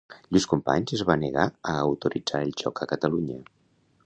Lluís Companys es va negar a autoritzar el joc a Catalunya.